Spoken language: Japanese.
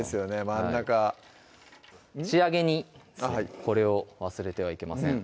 真ん中仕上げにこれを忘れてはいけません